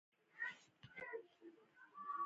اوږده غرونه د افغانستان د دوامداره پرمختګ لپاره اړین دي.